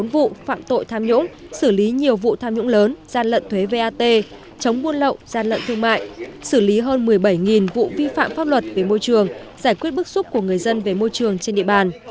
một mươi vụ phạm tội tham nhũng xử lý nhiều vụ tham nhũng lớn gian lận thuế vat chống buôn lậu gian lận thương mại xử lý hơn một mươi bảy vụ vi phạm pháp luật về môi trường giải quyết bức xúc của người dân về môi trường trên địa bàn